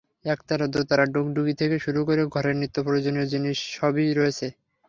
একতারা, দোতারা, ডুগডুগি থেকে শুরু করে ঘরের নিত্যপ্রয়োজনীয় জিনিস সবই রয়েছে।